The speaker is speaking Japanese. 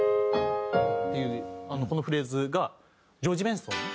っていうこのフレーズがジョージ・ベンソン？